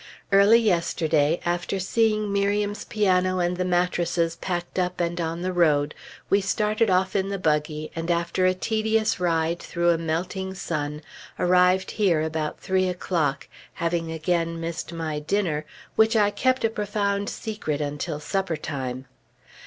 Early yesterday, after seeing Miriam's piano and the mattresses packed up and on the road, we started off in the buggy, and after a tedious ride through a melting sun, arrived here about three o'clock, having again missed my dinner, which I kept a profound secret until supper time.